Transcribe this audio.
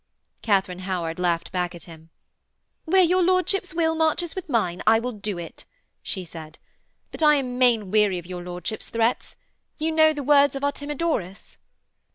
Katharine Howard laughed back at him: 'Where your lordship's will marches with mine I will do it,' she said. 'But I am main weary of your lordship's threats. You know the words of Artemidorus?'